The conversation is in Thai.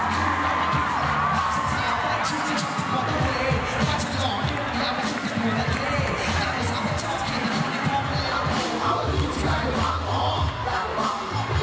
ก็จะหวังนั้นไงเพราะเธอก็รักสักครั้งเป็นความอย่างหัวใจ